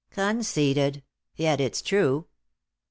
" Conceded ; yet it's true."